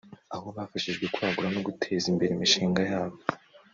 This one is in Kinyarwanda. aho bafashijwe kwagura no guteza imbere imishinga yabo